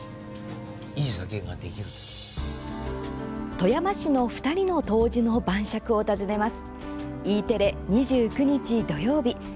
富山市の２人の杜氏の晩酌を訪ねます。